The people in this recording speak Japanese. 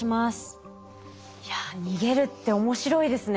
いや逃げるって面白いですね。